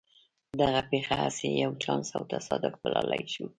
دغه پېښه هسې يو چانس او تصادف بللای شو.